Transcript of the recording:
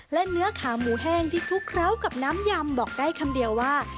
และเนื้อขาหมูแห้งที่คลุกเคล้ากับน้ำยำบอกได้คำเดียวว่า